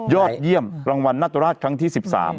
ยอดเยี่ยมรางวัลนาตราชครั้งที่๑๓